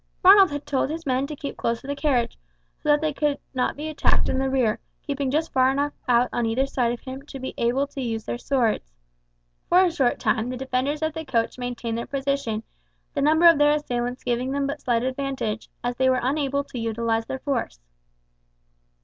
Ronald had told his men to keep close to the carriage, so that they could not be attacked in the rear, keeping just far enough out on either side of him to be able to use their swords. For a short time the defenders of the coach maintained their position, the number of their assailants giving them but slight advantage, as they were unable to utilize their force.